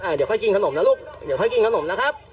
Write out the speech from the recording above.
เดี๋ยวค่อยกินขนมนะลูกเดี๋ยวค่อยกินขนมนะครับ